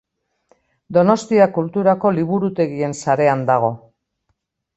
Donostia Kulturako liburutegien sarean dago.